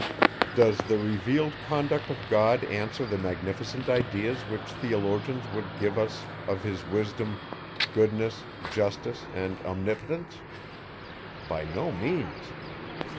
Does the revealed conduct of God answer the magnificent ideas which theologians would give us of his wisdom, goodness, justice, and omnipotence? By no means.